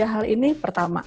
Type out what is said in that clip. tiga hal ini pertama